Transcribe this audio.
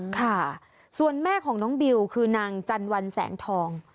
ค่ะส่วนแม่ของน้องบิวคือนางจันวันแสงทอง